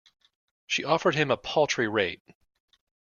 She offered him a paltry rate.